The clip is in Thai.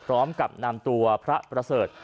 พร้อมกับนำตัวพระประเสริฐ